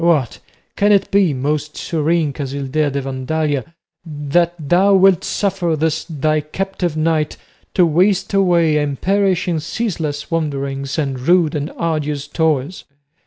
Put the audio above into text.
What! can it be, most serene Casildea de Vandalia, that thou wilt suffer this thy captive knight to waste away and perish in ceaseless wanderings and rude and arduous toils?